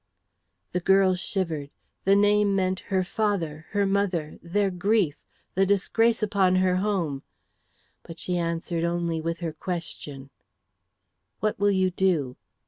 The girl shivered. The name meant her father, her mother, their grief, the disgrace upon her home. But she answered only with her question, "What will you do?"